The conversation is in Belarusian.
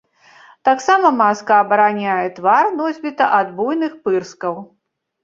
Таксама маска абараняе твар носьбіта ад буйных пырскаў.